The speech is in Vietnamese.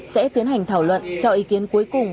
sẽ tiến hành thảo luận cho ý kiến cuối cùng